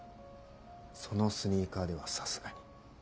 そのスニーカーではさすがに。